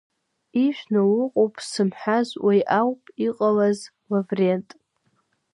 Ижәны уҟоуп сымҳәаз, уи ауп иҟалаз, Лаврент.